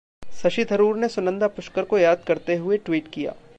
शशि थरूर ने सुनंदा पुष्कर को याद करते हुए ट्वीट किया